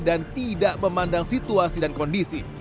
dan tidak memandang situasi dan kondisi